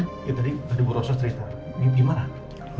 tadi tadi ada buru sos riza gimana